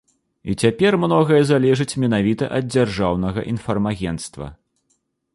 І цяпер многае залежыць менавіта ад дзяржаўнага інфармагенцтва.